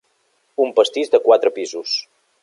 Un pastís de quatre pisos.